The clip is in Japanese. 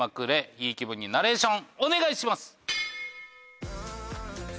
いい気分にナレーションお願いします。